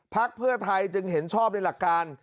เพื่อไทยจึงเห็นชอบในหลักการ